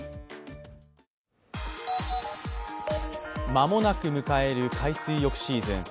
間もなく迎える海水浴シーズン。